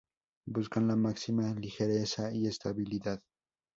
Buscan la máxima ligereza y estabilidad.